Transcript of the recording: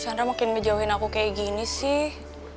chandra makin menjauhin aku kayak gini sih